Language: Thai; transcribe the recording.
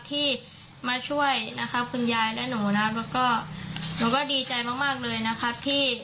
ที่มาช่วยนะครับคุณยายและหนูนะครับแล้วก็หนูก็ดีใจมากมากเลยนะครับที่